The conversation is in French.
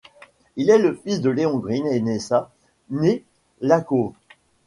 Il est le fils de Leon Green et Nessa née Lackow.